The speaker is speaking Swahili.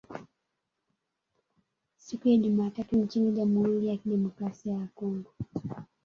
siku ya Jumatatu nchini Jamhuri ya Kidemokrasi ya Kongo